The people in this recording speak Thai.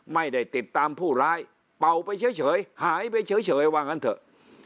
ไม่ได้ติดตามผู้ร้ายเป่าไปเฉยหายไปเฉยว่างั้นเถอะ